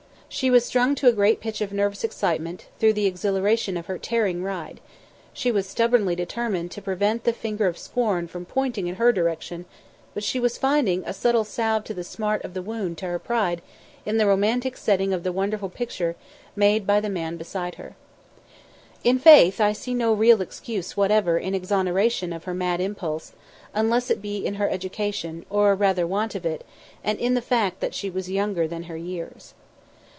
She was strung to a great pitch of nervous excitement through the exhilaration of her tearing ride; she was stubbornly determined to prevent the finger of scorn from pointing in her direction; but she was finding a subtle salve to the smart of the wound to her pride in the romantic setting of the wonderful picture made by the man beside her. In faith, I see no real excuse whatever in exoneration of her mad impulse, unless it be in her education or, rather, want of it and in the fact that she was younger than her years.